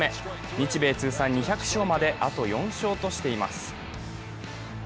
日米通算２００勝まで、あと４勝としています。